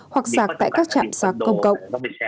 hoặc sạc tại các chạm sạc công cộng